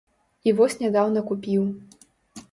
І вось нядаўна купіў.